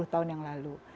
dua puluh tahun yang lalu